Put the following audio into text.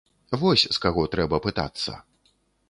Вось з каго трэба пытацца.